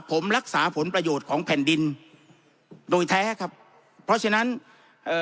ผมรักษาผลประโยชน์ของแผ่นดินโดยแท้ครับเพราะฉะนั้นเอ่อ